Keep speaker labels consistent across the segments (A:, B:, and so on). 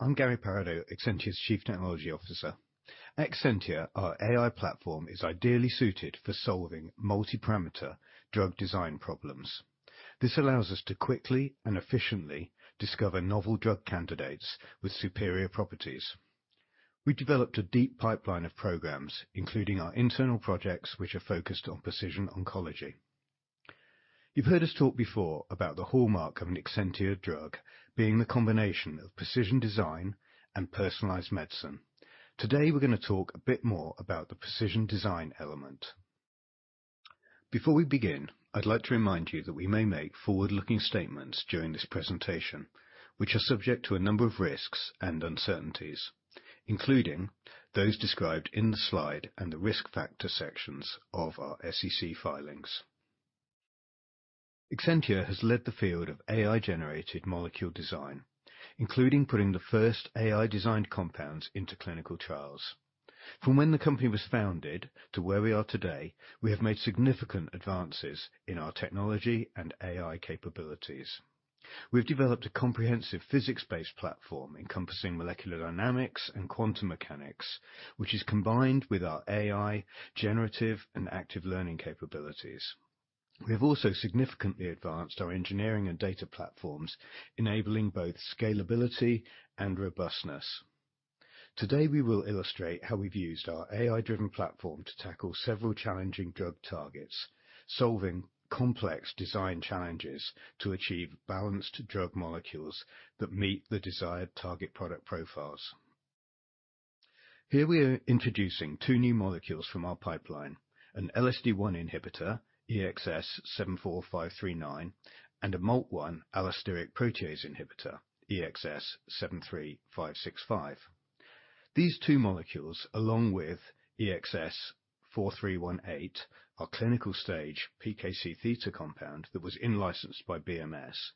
A: Hi, I'm Garry Pairaudeau, Exscientia's Chief Technology Officer. At Exscientia, our AI platform is ideally suited for solving multi-parameter drug design problems. This allows us to quickly and efficiently discover novel drug candidates with superior properties. We developed a deep pipeline of programs, including our internal projects, which are focused on precision oncology. You've heard us talk before about the hallmark of an Exscientia drug being the combination of precision design and personalized medicine. Today, we're gonna talk a bit more about the precision design element. Before we begin, I'd like to remind you that we may make forward-looking statements during this presentation, which are subject to a number of risks and uncertainties, including those described in the slide and the risk factor sections of our SEC filings. Exscientia has led the field of AI-generated molecule design, including putting the first AI-designed compounds into clinical trials. From when the company was founded to where we are today, we have made significant advances in our technology and AI capabilities. We've developed a comprehensive physics-based platform encompassing molecular dynamics and quantum mechanics, which is combined with our AI generative and active learning capabilities. We have also significantly advanced our engineering and data platforms, enabling both scalability and robustness. Today, we will illustrate how we've used our AI-driven platform to tackle several challenging drug targets, solving complex design challenges to achieve balanced drug molecules that meet the desired target product profiles. Here we are introducing two new molecules from our pipeline, an LSD1 inhibitor, EXS74539, and a MALT1 allosteric protease inhibitor, EXS73565. These two molecules, along with EXS4318, our clinical stage PKC-theta compound that was in-licensed by BMS,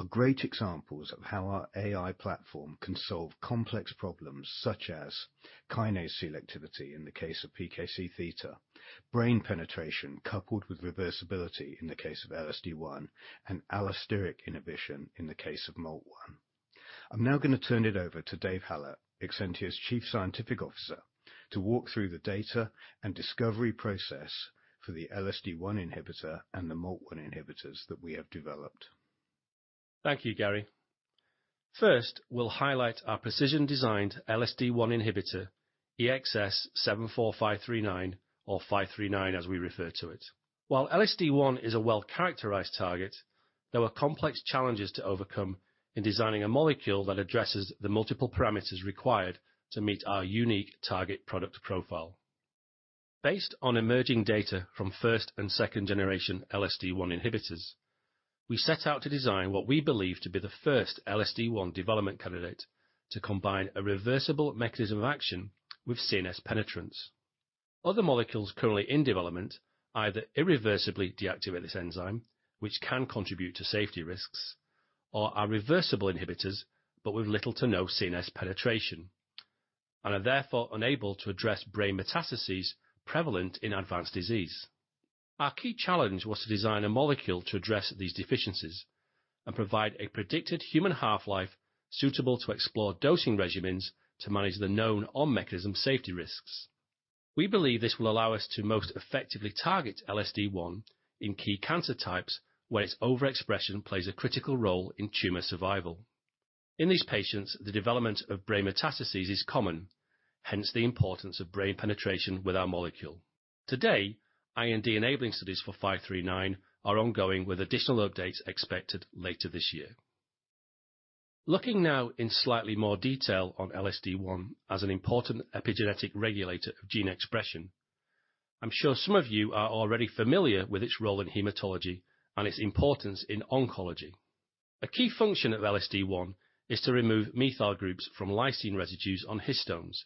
A: are great examples of how our AI platform can solve complex problems such as kinase selectivity in the case of PKC-theta, brain penetration coupled with reversibility in the case of LSD1, and allosteric inhibition in the case of MALT1. I'm now gonna turn it over to Dave Hallett, Exscientia's Chief Scientific Officer, to walk through the data and discovery process for the LSD1 inhibitor and the MALT1 inhibitors that we have developed.
B: Thank you, Garry. First, we'll highlight our precision-designed LSD1 inhibitor, EXS74539 or 539 as we refer to it. While LSD1 is a well-characterized target, there were complex challenges to overcome in designing a molecule that addresses the multiple parameters required to meet our unique target product profile. Based on emerging data from first and second-generation LSD 1 inhibitors, we set out to design what we believe to be the first LSD1 development candidate to combine a reversible mechanism of action with CNS penetrance. Other molecules currently in development either irreversibly deactivate this enzyme, which can contribute to safety risks or are reversible inhibitors, but with little to no CNS penetration, and are therefore unable to address brain metastases prevalent in advanced disease. Our key challenge was to design a molecule to address these deficiencies and provide a predicted human half-life suitable to explore dosing regimens to manage the known on-mechanism safety risks. We believe this will allow us to most effectively target LSD1 in key cancer types where its overexpression plays a critical role in tumor survival. In these patients, the development of brain metastases is common, hence the importance of brain penetration with our molecule. Today, IND-enabling studies for 539 are ongoing, with additional updates expected later this year. Looking now in slightly more detail on LSD1 as an important epigenetic regulator of gene expression, I'm sure some of you are already familiar with its role in hematology and its importance in oncology. A key function of LSD1 is to remove methyl groups from lysine residues on histones,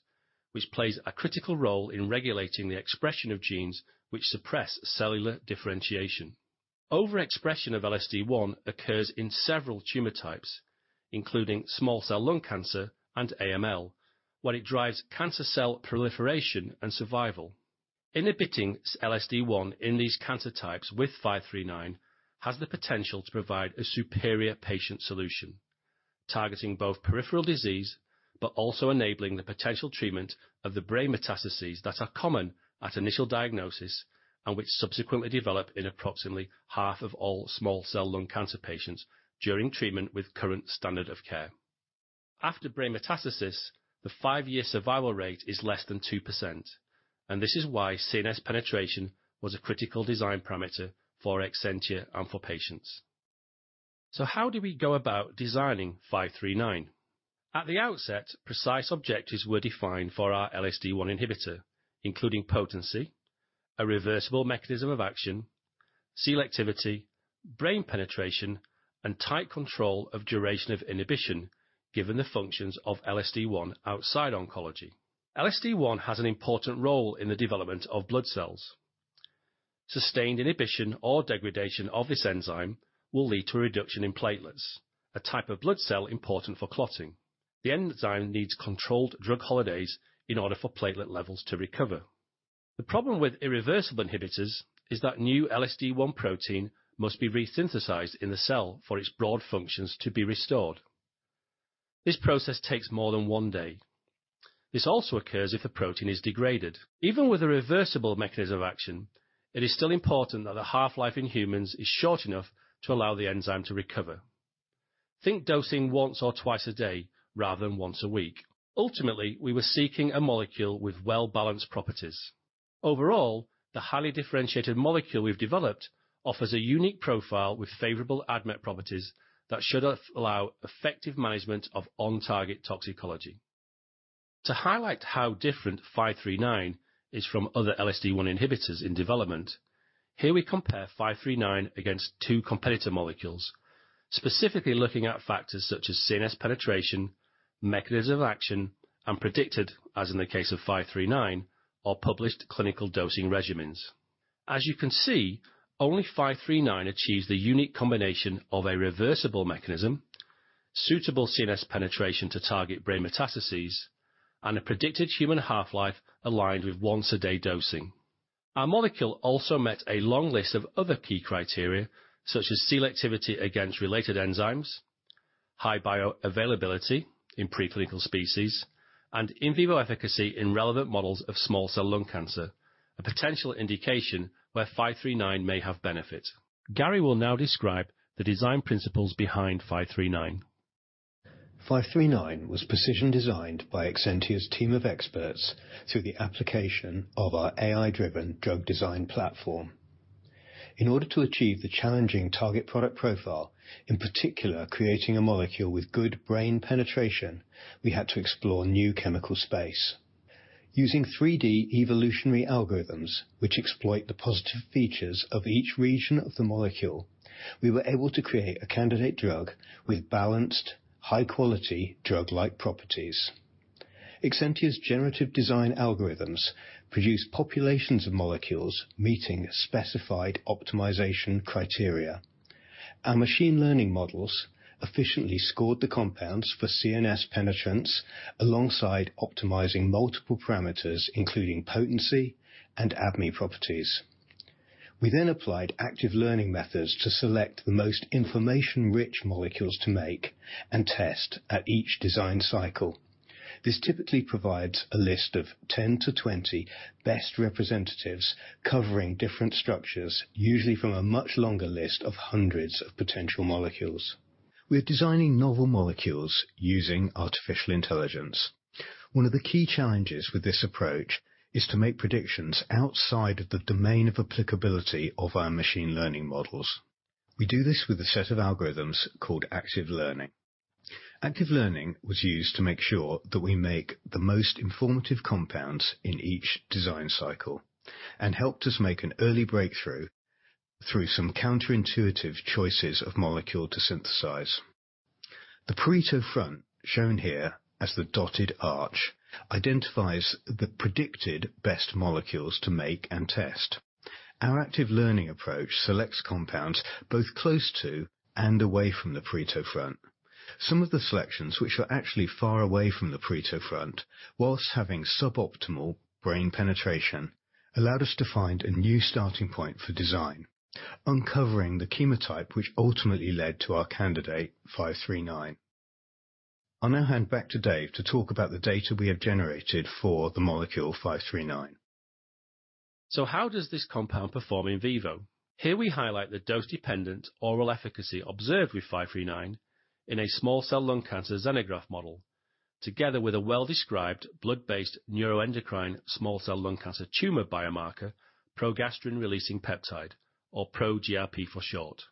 B: which plays a critical role in regulating the expression of genes which suppress cellular differentiation. Overexpression of LSD1 occurs in several tumor types, including small cell lung cancer and AML, where it drives cancer cell proliferation and survival. Inhibiting LSD1 in these cancer types with five-three-nine has the potential to provide a superior patient solution, targeting both peripheral disease but also enabling the potential treatment of the brain metastases that are common at initial diagnosis and which subsequently develop in approximately half of all small cell lung cancer patients during treatment with current standard of care. After brain metastasis, the five-year survival rate is less than 2%, and this is why CNS penetration was a critical design parameter for Exscientia and for patients. How did we go about designing five-three-nine? At the outset, precise objectives were defined for our LSD1 inhibitor, including potency, a reversible mechanism of action, selectivity, brain penetration, and tight control of duration of inhibition, given the functions of LSD1 outside oncology. LSD1 has an important role in the development of blood cells. Sustained inhibition or degradation of this enzyme will lead to a reduction in platelets, a type of blood cell important for clotting. The enzyme needs controlled drug holidays in order for platelet levels to recover. The problem with irreversible inhibitors is that new LSD1 protein must be resynthesized in the cell for its broad functions to be restored. This process takes more than one day. This also occurs if a protein is degraded. Even with a reversible mechanism of action, it is still important that the half-life in humans is short enough to allow the enzyme to recover. Think dosing once or twice a day rather than once a week. Ultimately, we were seeking a molecule with well-balanced properties. Overall, the highly differentiated molecule we've developed offers a unique profile with favorable ADMET properties that should allow effective management of on-target toxicology. To highlight how different 539 is from other LSD1 inhibitors in development, here we compare 539 against two competitor molecules, specifically looking at factors such as CNS penetration, mechanism of action, and predicted, as in the case of 539, or published clinical dosing regimens. As you can see, only 539 achieves the unique combination of a reversible mechanism, suitable CNS penetration to target brain metastases, and a predicted human half-life aligned with once-a-day dosing. Our molecule also met a long list of other key criteria, such as selectivity against related enzymes, high bioavailability in preclinical species, and in vivo efficacy in relevant models of small cell lung cancer, a potential indication where five-three-nine may have benefit. Garry will now describe the design principles behind five-three-nine.
A: five-three-nine was precision-designed by Exscientia's team of experts through the application of our AI-driven drug design platform. In order to achieve the challenging target product profile, in particular, creating a molecule with good brain penetration, we had to explore new chemical space. Using 3D evolutionary algorithms, which exploit the positive features of each region of the molecule, we were able to create a candidate drug with balanced, high-quality, drug-like properties. Exscientia's generative design algorithms produce populations of molecules meeting specified optimization criteria. Our machine learning models efficiently scored the compounds for CNS penetrance alongside optimizing multiple parameters, including potency and ADME properties. We applied active learning methods to select the most information-rich molecules to make and test at each design cycle. This typically provides a list of 10 best representatives-20 best representatives covering different structures, usually from a much longer list of hundreds of potential molecules. We're designing novel molecules using artificial intelligence. One of the key challenges with this approach is to make predictions outside of the domain of applicability of our machine learning models. We do this with a set of algorithms called active learning. Active learning was used to make sure that we make the most informative compounds in each design cycle and helped us make an early breakthrough through some counter-intuitive choices of molecule to synthesize. The Pareto front, shown here as the dotted arch, identifies the predicted best molecules to make and test. Our active learning approach selects compounds both close to and away from the Pareto front. Some of the selections, which are actually far away from the Pareto front, whilst having suboptimal brain penetration, allowed us to find a new starting point for design, uncovering the chemotype which ultimately led to our candidate, five-three-nine. I'll now hand back to Dave to talk about the data we have generated for the molecule 539.
B: How does this compound perform in vivo? Here we highlight the dose-dependent oral efficacy observed with five-three-nine in a small cell lung cancer xenograft model, together with a well-described blood-based neuroendocrine small cell lung cancer tumor biomarker, progastrin-releasing peptide, or ProGRP for short.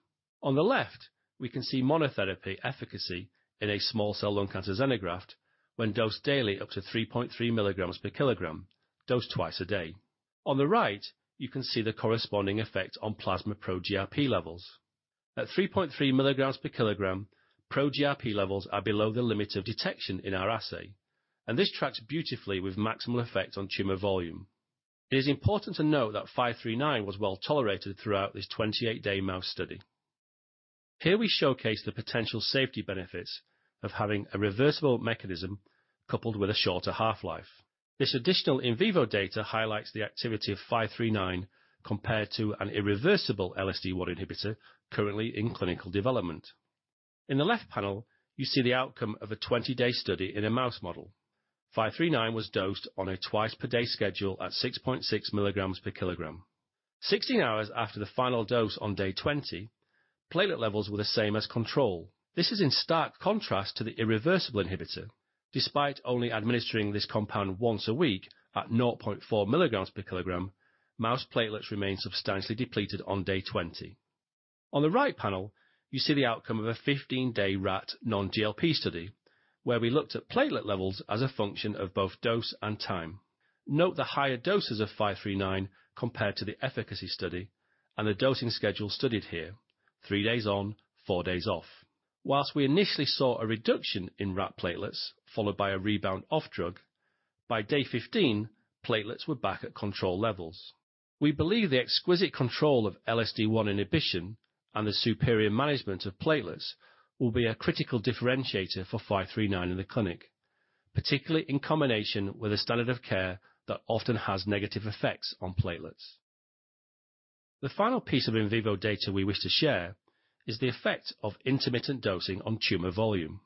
B: On the left, we can see monotherapy efficacy in a small cell lung cancer xenograft when dosed daily up to 3.3 milligrams per kilogram, dosed twice a day. On the right, you can see the corresponding effect on plasma ProGRP levels. At 3.3 milligrams per kilogram, ProGRP levels are below the limit of detection in our assay, and this tracks beautifully with maximal effect on tumor volume. It is important to note that five-three-nine was well-tolerated throughout this 28-day mouse study. Here we showcase the potential safety benefits of having a reversible mechanism coupled with a shorter half-life. This additional in vivo data highlights the activity of five-three-nine compared to an irreversible LSD1 inhibitor currently in clinical development. In the left panel, you see the outcome of a 20-day study in a mouse model. five-three-nine was dosed on a twice-per-day schedule at 6.6 milligrams per kilogram. 16 hours after the final dose on day 20, platelet levels were the same as control. This is in stark contrast to the irreversible inhibitor. Despite only administering this compound once a week at 0.4 milligrams per kilogram, mouse platelets remain substantially depleted on day 20. On the right panel, you see the outcome of a 15-day rat non-GLP study where we looked at platelet levels as a function of both dose and time. Note the higher doses of five-three-nine compared to the efficacy study and the dosing schedule studied here, three days on, four days off. Whilst we initially saw a reduction in rat platelets followed by a rebound off drug, by day 15, platelets were back at control levels. We believe the exquisite control of LSD1 inhibition and the superior management of platelets will be a critical differentiator for five-three-nine in the clinic, particularly in combination with a standard of care that often has negative effects on platelets. The final piece of in vivo data we wish to share is the effect of intermittent dosing on tumor volume.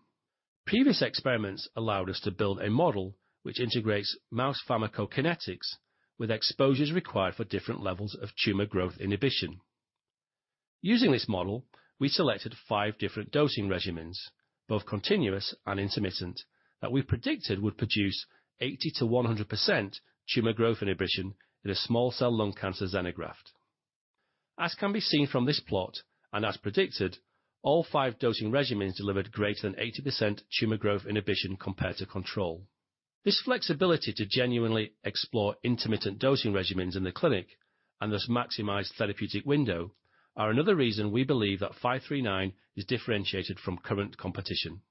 B: Previous experiments allowed us to build a model which integrates mouse pharmacokinetics with exposures required for different levels of tumor growth inhibition. Using this model, we selected five different dosing regimens, both continuous and intermittent, that we predicted would produce 80%-100% tumor growth inhibition in a small cell lung cancer xenograft. As can be seen from this plot, and as predicted, all five dosing regimens delivered greater than 80% tumor growth inhibition compared to control. This flexibility to genuinely explore intermittent dosing regimens in the clinic and thus maximize therapeutic window are another reason we believe that five-three-nine is differentiated from current competition.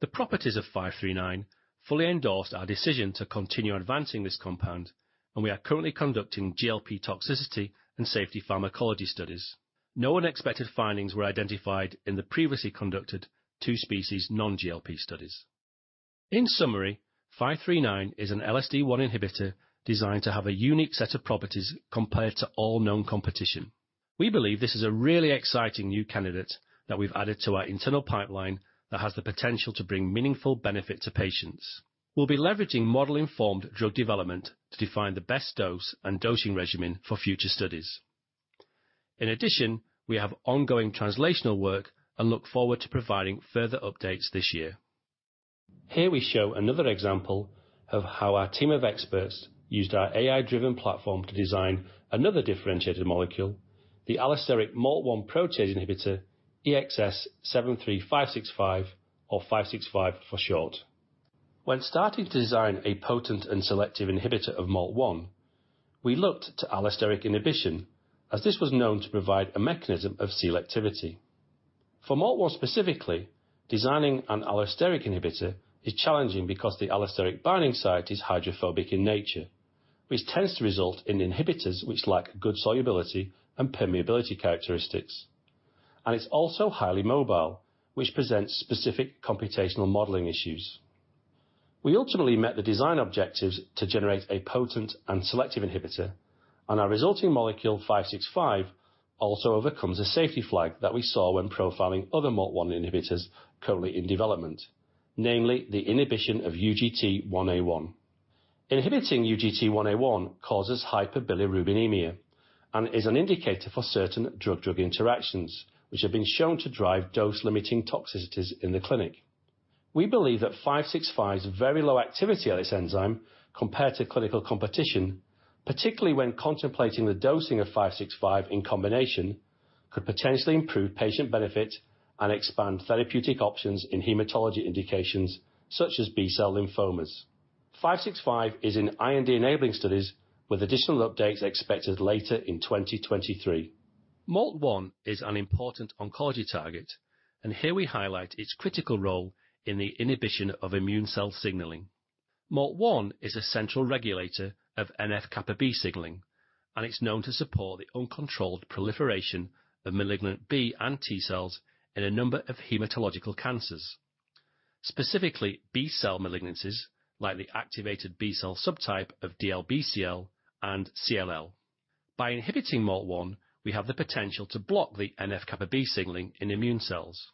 B: The properties of five-three-nine fully endorsed our decision to continue advancing this compound, and we are currently conducting GLP toxicity and safety pharmacology studies. No unexpected findings were identified in the previously conducted two species non-GLP studies. In summary, five-three-nine is an LSD1 inhibitor designed to have a unique set of properties compared to all known competition. We believe this is a really exciting new candidate that we've added to our internal pipeline that has the potential to bring meaningful benefit to patients. We'll be leveraging model-informed drug development to define the best dose and dosing regimen for future studies. In addition, we have ongoing translational work and look forward to providing further updates this year. Here we show another example of how our team of experts used our AI-driven platform to design another differentiated molecule, the allosteric MALT1 protease inhibitor, EXS73565, or 565 for short. When starting to design a potent and selective inhibitor of MALT1, we looked to allosteric inhibition, as this was known to provide a mechanism of selectivity. For MALT1 specifically, designing an allosteric inhibitor is challenging because the allosteric binding site is hydrophobic in nature, which tends to result in inhibitors which lack good solubility and permeability characteristics. It's also highly mobile, which presents specific computational modeling issues. We ultimately met the design objectives to generate a potent and selective inhibitor, and our resulting molecule, five-six-five, also overcomes a safety flag that we saw when profiling other MALT1 inhibitors currently in development, namely the inhibition of UGT1A1. Inhibiting UGT1A1 causes hyperbilirubinemia and is an indicator for certain drug-drug interactions, which have been shown to drive dose-limiting toxicities in the clinic. We believe that five-six-five's very low activity on this enzyme compared to clinical competition, particularly when contemplating the dosing of five-six-five in combination, could potentially improve patient benefit and expand therapeutic options in hematology indications such as B-cell lymphomas. Five-six-five is in IND-enabling studies with additional updates expected later in 2023. MALT1 is an important oncology target, and here we highlight its critical role in the inhibition of immune cell signaling. MALT1 is a central regulator of NF-kappa B signaling, and it's known to support the uncontrolled proliferation of malignant B and T cells in a number of hematological cancers, specifically B-cell malignancies like the activated B-cell subtype of DLBCL and CLL. By inhibiting MALT1, we have the potential to block the NF-kappa B signaling in immune cells.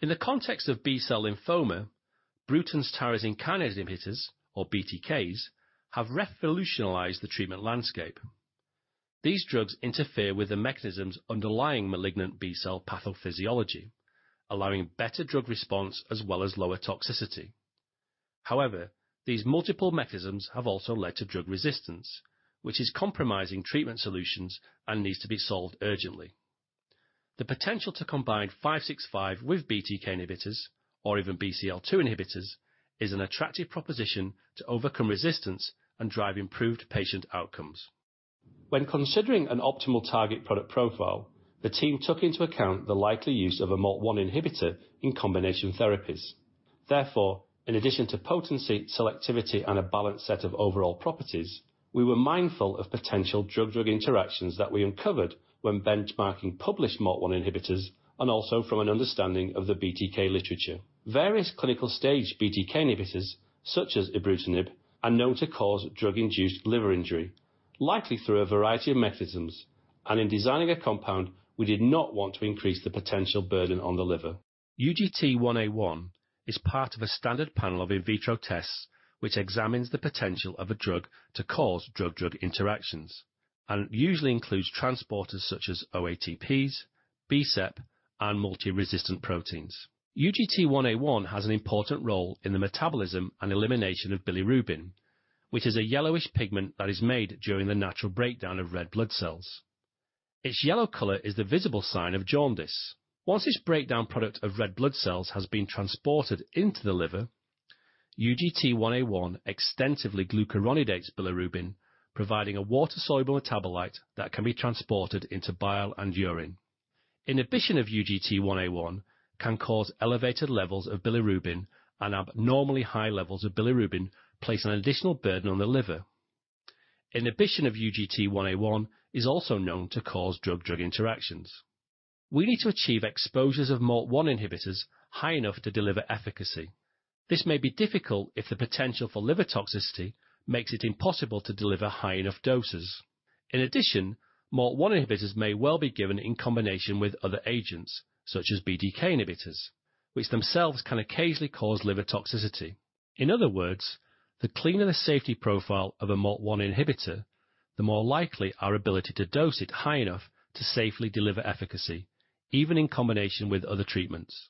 B: In the context of B-cell lymphoma, Bruton's tyrosine kinase inhibitors, or BTKs, have revolutionized the treatment landscape. These drugs interfere with the mechanisms underlying malignant B-cell pathophysiology, allowing better drug response as well as lower toxicity. However, these multiple mechanisms have also led to drug resistance, which is compromising treatment solutions and needs to be solved urgently. The potential to combine 565 with BTK inhibitors or even BCL-2 inhibitors is an attractive proposition to overcome resistance and drive improved patient outcomes. When considering an optimal target product profile, the team took into account the likely use of a MALT1 inhibitor in combination therapies. In addition to potency, selectivity, and a balanced set of overall properties, we were mindful of potential drug-drug interactions that we uncovered when benchmarking published MALT1 inhibitors and also from an understanding of the BTK literature. Various clinical-stage BTK inhibitors, such as ibrutinib, are known to cause drug-induced liver injury, likely through a variety of mechanisms, and in designing a compound, we did not want to increase the potential burden on the liver. UGT1A1 is part of a standard panel of in vitro tests which examines the potential of a drug to cause drug-drug interactions and usually includes transporters such as OATPs, BSEP, and multidrug resistance proteins. UGT1A1 has an important role in the metabolism and elimination of bilirubin, which is a yellowish pigment that is made during the natural breakdown of red blood cells. Its yellow color is the visible sign of jaundice. Once its breakdown product of red blood cells has been transported into the liver, UGT1A1 extensively glucuronidates bilirubin, providing a water-soluble metabolite that can be transported into bile and urine. Inhibition of UGT1A1 can cause elevated levels of bilirubin, and abnormally high levels of bilirubin place an additional burden on the liver. Inhibition of UGT1A1 is also known to cause drug-drug interactions. We need to achieve exposures of MALT1 inhibitors high enough to deliver efficacy. This may be difficult if the potential for liver toxicity makes it impossible to deliver high enough doses. In addition, MALT1 inhibitors may well be given in combination with other agents, such as BTK inhibitors, which themselves can occasionally cause liver toxicity. In other words, the cleaner the safety profile of a MALT1 inhibitor, the more likely our ability to dose it high enough to safely deliver efficacy, even in combination with other treatments.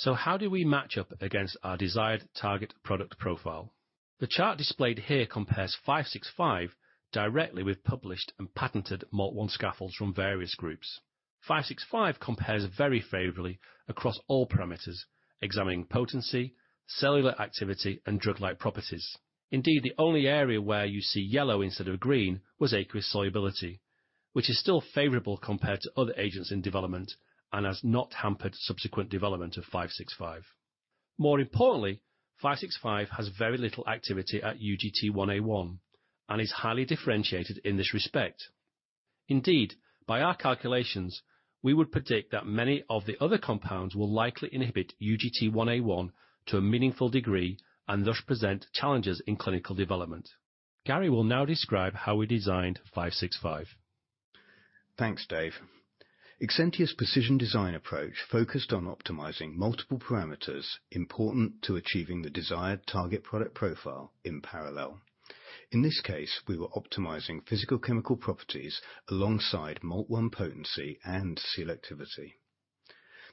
B: How do we match up against our desired target product profile? The chart displayed here compares five-six-five directly with published and patented MALT1 scaffolds from various groups. Five-six-five compares very favorably across all parameters, examining potency, cellular activity, and drug-like properties. Indeed, the only area where you see yellow instead of green was aqueous solubility, which is still favorable compared to other agents in development and has not hampered subsequent development of five-six-five. More importantly, five-six-five has very little activity at UGT1A1 and is highly differentiated in this respect. Indeed, by our calculations, we would predict that many of the other compounds will likely inhibit UGT1A1 to a meaningful degree and thus present challenges in clinical development. Gary will now describe how we designed 565.
A: Thanks, Dave. Exscientia's precision design approach focused on optimizing multiple parameters important to achieving the desired target product profile in parallel. In this case, we were optimizing physical chemical properties alongside MALT1 potency and selectivity.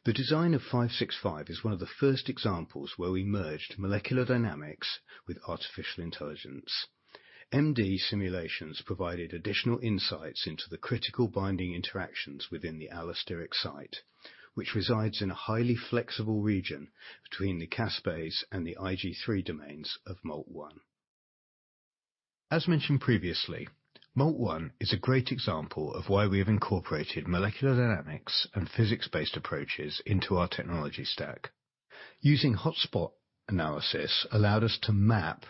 A: The design of 73565 is one of the first examples where we merged molecular dynamics with artificial intelligence. MD simulations provided additional insights into the critical binding interactions within the allosteric site, which resides in a highly flexible region between the caspase and the IG3 domains of MALT1. As mentioned previously, MALT1 is a great example of why we have incorporated molecular dynamics and physics-based approaches into our technology stack. Using hotspot analysis allowed us to map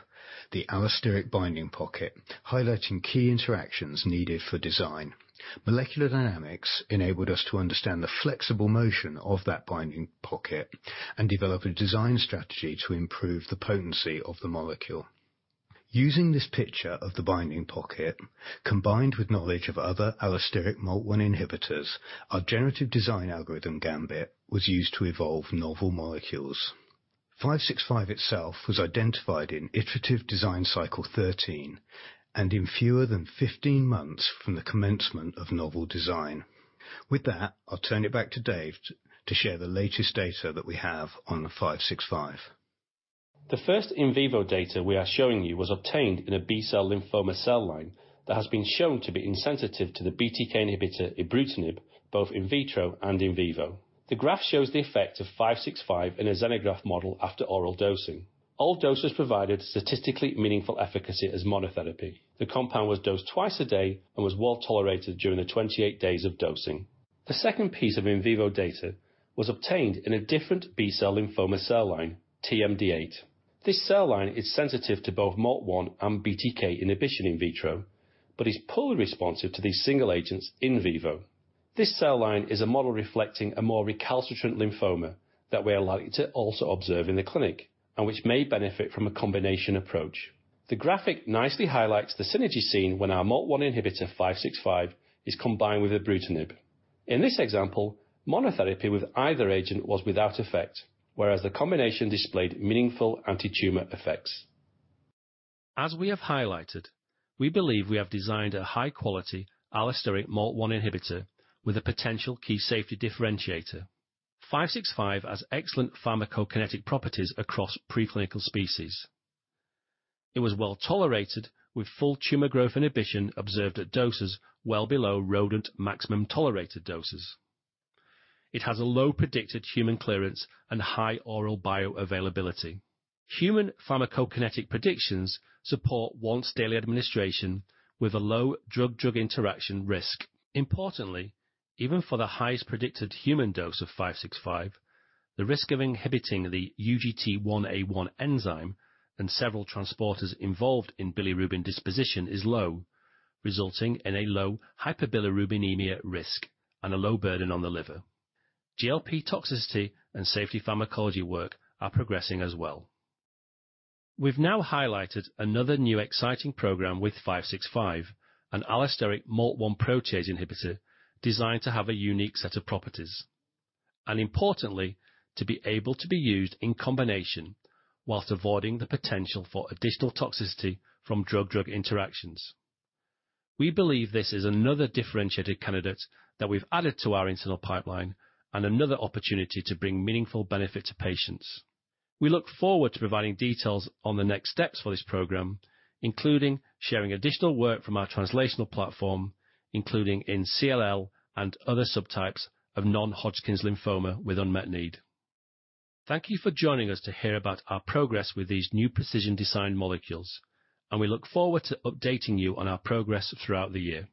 A: the allosteric binding pocket, highlighting key interactions needed for design. Molecular dynamics enabled us to understand the flexible motion of that binding pocket and develop a design strategy to improve the potency of the molecule. Using this picture of the binding pocket, combined with knowledge of other allosteric MALT1 inhibitors, our generative design algorithm, Gambit, was used to evolve novel molecules. Five-six-five itself was identified in iterative design cycle 13 and in fewer than 15 months from the commencement of novel design. With that, I'll turn it back to Dave to share the latest data that we have on Five-six-five.
B: The first in vivo data we are showing you was obtained in a B-cell lymphoma cell line that has been shown to be insensitive to the BTK inhibitor ibrutinib, both in vitro and in vivo. The graph shows the effect of 565 in a xenograft model after oral dosing. All doses provided statistically meaningful efficacy as monotherapy. The compound was dosed twice a day and was well-tolerated during the 28 days of dosing. The second piece of in vivo data was obtained in a different B-cell lymphoma cell line, TMD8. This cell line is sensitive to both MALT1 and BTK inhibition in vitro but is poorly responsive to these single agents in vivo. This cell line is a model reflecting a more recalcitrant lymphoma that we are likely to also observe in the clinic and which may benefit from a combination approach. The graphic nicely highlights the synergy seen when our MALT1 inhibitor, five-six-five, is combined with ibrutinib. In this example, monotherapy with either agent was without effect, whereas the combination displayed meaningful antitumor effects. As we have highlighted, we believe we have designed a high-quality allosteric MALT1 inhibitor with a potential key safety differentiator. Five-six-five has excellent pharmacokinetic properties across preclinical species. It was well-tolerated with full tumor growth inhibition observed at doses well below rodent maximum tolerated doses. It has a low predicted human clearance and high oral bioavailability. Human pharmacokinetic predictions support once-daily administration with a low drug-drug interaction risk. Importantly, even for the highest predicted human dose of five-six-five, the risk of inhibiting the UGT1A1 enzyme and several transporters involved in bilirubin disposition is low, resulting in a low hyperbilirubinemia risk and a low burden on the liver. GLP toxicity and safety pharmacology work are progressing as well. We've now highlighted another new exciting program with 73565, an allosteric MALT1 protease inhibitor designed to have a unique set of properties. Importantly, to be able to be used in combination whilst avoiding the potential for additional toxicity from drug-drug interactions. We believe this is another differentiated candidate that we've added to our internal pipeline and another opportunity to bring meaningful benefit to patients. We look forward to providing details on the next steps for this program, including sharing additional work from our translational platform, including in CLL and other subtypes of non-Hodgkin's lymphoma with unmet need. Thank you for joining us to hear about our progress with these new precision design molecules. We look forward to updating you on our progress throughout the year.